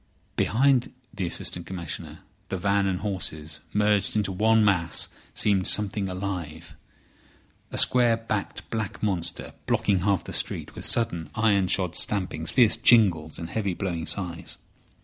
Behind the Assistant Commissioner the van and horses, merged into one mass, seemed something alive—a square backed black monster blocking half the street, with sudden iron shod stampings, fierce jingles, and heavy, blowing sighs.